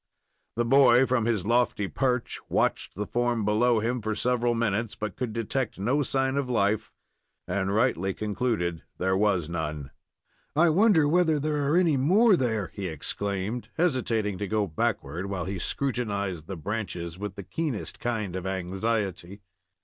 The boy, from his lofty perch, watched the form below him for several minutes, but could detect no sign of life, and rightly concluded there was none. "I wonder whether there are any more there," he exclaimed, hesitating to go backward, while he scrutinized the branches with the keenest kind of anxiety.